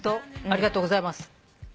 ありがとうございます。